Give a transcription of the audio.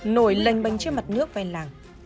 nổi lành bánh trên mặt nước về làng